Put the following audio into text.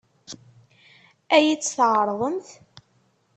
Ad iyi-tt-tɛeṛḍemt?